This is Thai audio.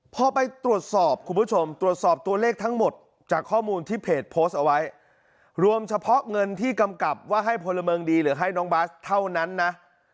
พอไปตรวจสอบคุณผู้ชมตรวจสอบตัวเลขทั้งหมดจากข้อมูลที่เพจโพสต์เอาไว้รวมเฉพาะเงินที่กำกับว่าให้พลเมืองดีหรือให้น้องบาสเท่านั้นนะ